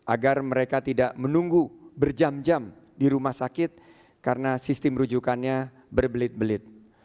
agar mereka tidak menunggu berjam jam di rumah sakit karena sistem rujukannya berbelit belit